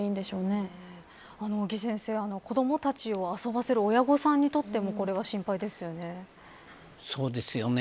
尾木先生、子どもたちを遊ばせる親御さんにとってもこれは心配ですよね。